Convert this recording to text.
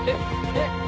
えっ？